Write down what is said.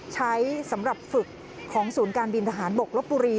สำหรับฝึกของศูนย์การบินทหารบกลบบุรี